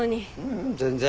ううん全然。